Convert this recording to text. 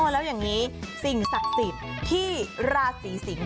แล้วอย่างนี้สิ่งศักดิ์สิทธิ์ที่ราศีสิงศ์